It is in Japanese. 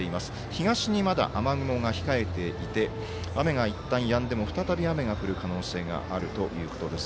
東にまだ雨雲が控えていて雨がいったんやんでも再び雨が降る可能性があるということです。